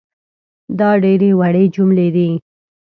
دا ډېرې وړې جملې دي